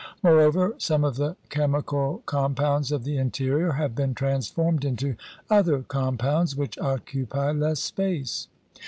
Moreover some of the chemical com pounds of the interior have been transformed into other compounds which occupy less space.